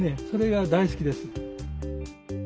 それが大好きです。